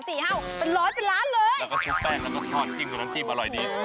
เป็นร้อยเป็นล้านเลยแล้วก็ชุบแป้งก็ต้องทอดจิ้มกับน้ำจิ้มอร่อยดี